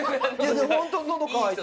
本当に喉渇いて。